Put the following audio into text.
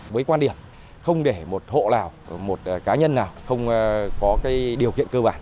với quan điểm không để một hộ nào một cá nhân nào không có điều kiện cơ bản